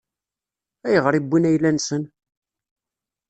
Ayɣer i wwin ayla-nsen?